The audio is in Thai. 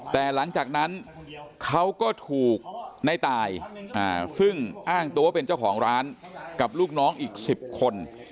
แต่หลังจากนั้นเขาก็ถูกในตายซึ่งอ้างตัวเป็นเจ้าของร้านกับลูกน้องอีก๑๐คน